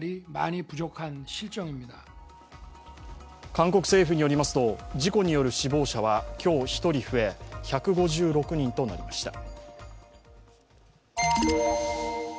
韓国政府によりますと、事故による死亡者は今日、１人増え、１５６人となりました。